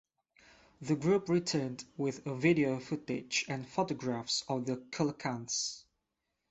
The group returned with video footage and photographs of the coelacanths.